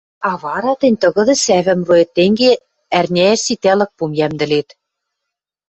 А вара тӹнь тыгыды сӓвӹм роэт, тенге ӓрняэш ситалык пум йӓмдӹлет.